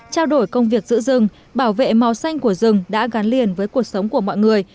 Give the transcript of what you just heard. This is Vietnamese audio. trao đổi công việc giữ rừng bảo vệ màu xanh của rừng đã gắn liền với cuộc sống của mọi người